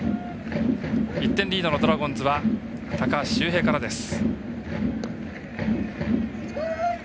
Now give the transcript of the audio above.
１点リードのドラゴンズは高橋周平からです。